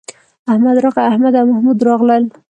احمد راغی، احمد او محمود راغلل